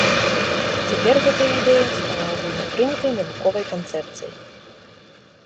Цяпер гэтая ідэя стала агульнапрынятай навуковай канцэпцыяй.